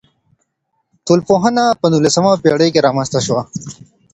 ټولنپوهنه په نولسمه پېړۍ کي رامنځته سوه.